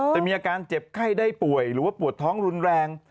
แต่มีอาการเจ็บไข้ได้ป่วยหรือว่าปวดท้องรุนแรง